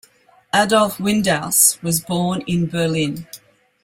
Adolf Windaus was born in Berlin.